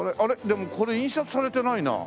でもこれ印刷されてないな。